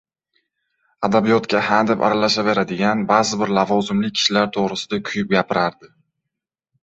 Adabiyotga hadeb aralashaveradigan ba’zi bir lavozimli kishilar to‘g‘risida kuyib gapirardi.